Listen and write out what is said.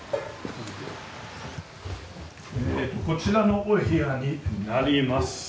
こちらのお部屋になります。